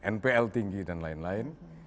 npl tinggi dan lain lain